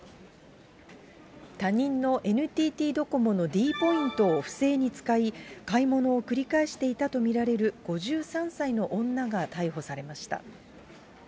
他人のＮＴＴドコモのｄポイントを不正に使い、買い物を繰り返していたと見られる５３歳の女が逮捕されました。